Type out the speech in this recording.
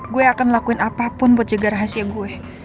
gue akan ngelakuin apapun buat jaga rahasia gue